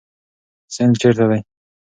سند چیرته دی؟